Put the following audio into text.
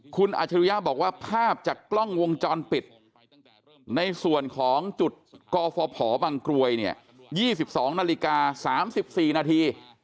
คุณอัจฉริยะบอกว่าภาพจากกล้องวงจรปิดในส่วนของจุดกฟพบังกรวยเนี่ย๒๒นาฬิกา๓๔นาที